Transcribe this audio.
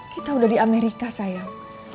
kita udah di amerika sayang